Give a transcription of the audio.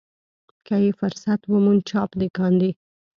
که یې فرصت وموند چاپ دې کاندي.